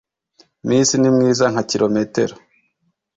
miss ni mwiza nka kilometero